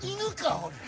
俺！